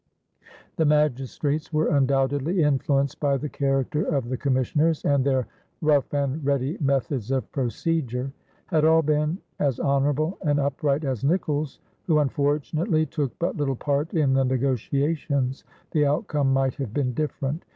The magistrates were undoubtedly influenced by the character of the commissioners and their rough and ready methods of procedure. Had all been as honorable and upright as Nicolls, who unfortunately took but little part in the negotiations, the outcome might have been different.